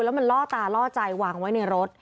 แล้วมันล่อตาล่อใจวางไว้ในรถ